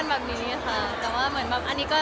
คนก็รู้แล้วเราก็เรียกแบบนี้ค่ะ